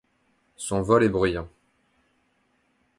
Son vol est bruyant.